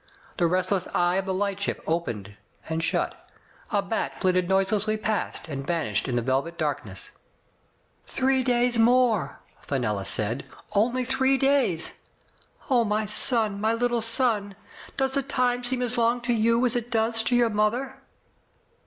The restless eye of the lightship opened and shut; a bat flittered noiselessly past, and vanished in the velvet darkness. "Three days more," Fenella said, "only three days. Oh, my son, my little son ! Does the Digitized by Google 246 THE FATE OF FENELLA, time seem as long to you as it does to your mother?